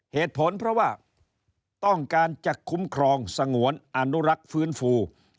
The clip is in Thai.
เหตุผลเพราะว่าต้องการจะคุ้มครองสงวนอนุรักษ์ฟื้นฟู